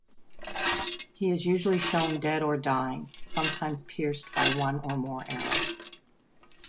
He is usually shown dead or dying, sometimes pierced by one or more arrows.